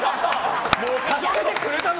助けてくれたの！